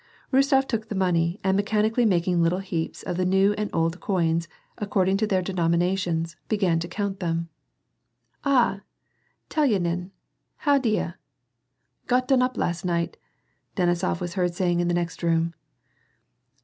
Rostof took the money, and mechanically making little heai)s of the new and old coins, according to their denominations, be gan to count them. " Ah ! Telyanin ! How d'e ? Got done up last night !" Denisof was heard saying in the next room.